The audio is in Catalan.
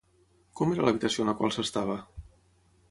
Com era l'habitació en la qual s'estava?